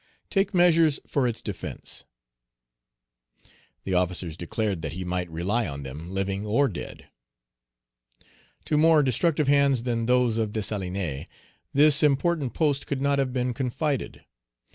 Take measures Page 191 for its defence." The officers declared that he might rely on them, living or dead. To more destructive hands than those of Dessalines, this important post could not have been confided.